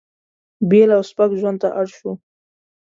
بېل او سپک ژوند ته اړ شول.